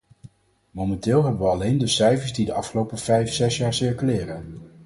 Momenteel hebben we alleen de cijfers die de afgelopen vijf, zes jaar circuleren.